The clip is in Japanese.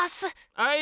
はい！